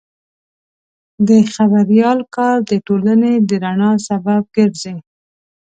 د خبریال کار د ټولنې د رڼا سبب ګرځي.